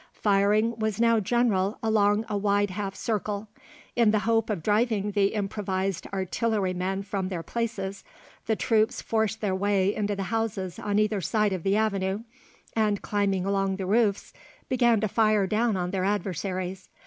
Firing was now general along a wide half circle. In the hope of driving the improvised artillery men from their places, the troops forced their way into the houses on either side of the avenue, and climbing along the roofs began to fire down on their adversaries.